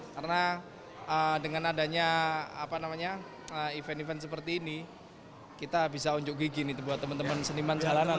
karena dengan adanya event event seperti ini kita bisa unjuk gigi buat teman teman seniman jalanan